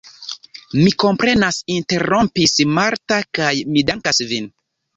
Mi komprenas, interrompis Marta, kaj mi dankas vin!